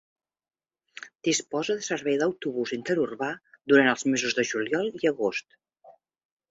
Disposa de servei d’autobús interurbà durant els mesos de juliol i agost.